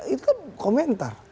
itu kan komentar